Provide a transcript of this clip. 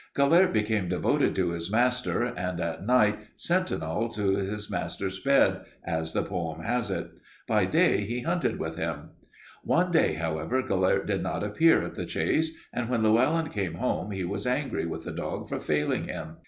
Gelert became devoted to his master and at night 'sentinel'd his master's bed,' as the poem has it. By day he hunted with him. "One day, however, Gelert did not appear at the chase and when Llewelyn came home he was angry with the dog for failing him.